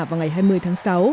vào ngày hai mươi tháng sáu